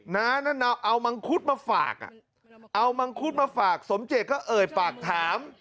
นั่นเอามังคุดมาฝากอ่ะเอามังคุดมาฝากสมเจตก็เอ่ยปากถาม